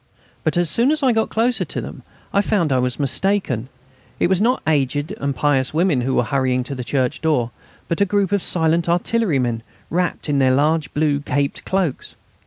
But as soon as I got closer to them I found I was mistaken. It was not aged and pious women who were hurrying to the church door, but a group of silent artillerymen wrapped in their large blue caped cloaks.